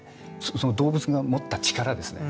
その動物が持った力ですね